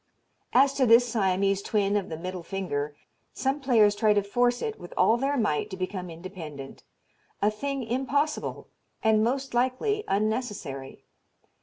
As to this Siamese twin of the middle finger, some players try to force it with all their might to become independent. A thing impossible, and most likely unnecessary.